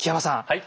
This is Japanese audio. はい。